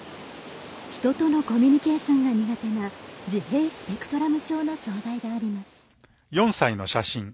人とのコミュニケーションが苦手な自閉スペクトラム症の障がいがあります。